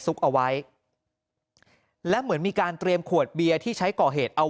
เอาไว้และเหมือนมีการเตรียมขวดเบียร์ที่ใช้ก่อเหตุเอา